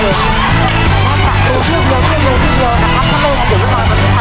คุณเองถึงเยอะสิบเดียวฮะครับ